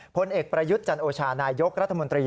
ผลเอกประยุทธ์จันโอชานายกรัฐมนตรี